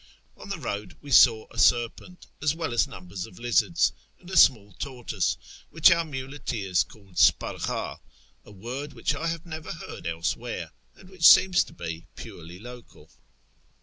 On the road we saw a serpent, as well as numbers of lizards, and a small tortoise, which our muleteers called s2Mrghd, a word which I have never heard elsewhere, and which seems to be purely local.